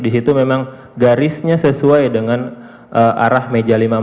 di situ memang garisnya sesuai dengan arah meja lima puluh empat